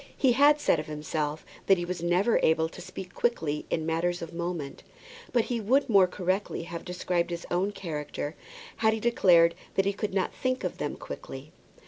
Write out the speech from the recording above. He had said of himself that he was never able to speak quickly in matters of moment; but he would more correctly have described his own character had he declared that he could not think of them quickly.